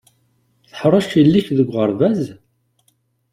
Teḥṛec yelli-k deg uɣerbaz?